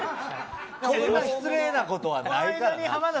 そんな失礼なことはないからな。